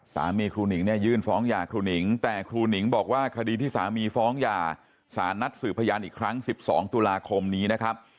ครูหนิงเนี่ยยื่นฟ้องหย่าครูหนิงแต่ครูหนิงบอกว่าคดีที่สามีฟ้องหย่าสารนัดสืบพยานอีกครั้ง๑๒ตุลาคมนี้นะครับ